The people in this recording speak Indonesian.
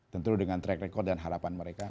tentu dengan track record dan harapan mereka